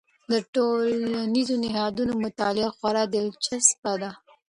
د ټولنیزو نهادونو مطالعه خورا دلچسپ ده.